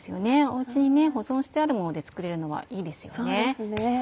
お家に保存してあるもので作れるのはいいですよね。